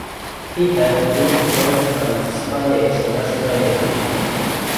He held both French and Spanish nationality.